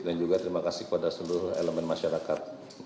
dan juga terima kasih kepada seluruh elemen masyarakat